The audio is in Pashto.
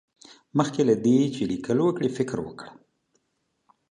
مخکې له دې چې ليکل وکړې، فکر وکړه.